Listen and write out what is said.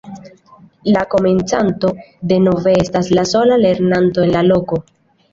La komencanto denove estas la sola lernanto en la loko.